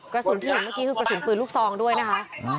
กระสุนที่เห็นเมื่อกี้คือกระสุนปืนลูกซองด้วยนะคะ